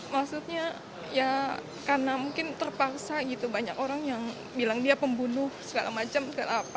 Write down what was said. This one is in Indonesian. maksudnya ya karena mungkin terpaksa gitu banyak orang yang bilang dia pembunuh segala macam